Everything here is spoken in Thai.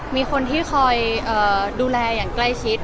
มีคนที่คอยดูแลอย่างใกล้ชิด